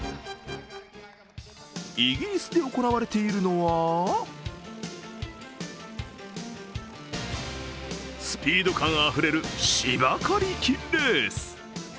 イギリスで行われているのはスピード感あふれる芝刈り機レース。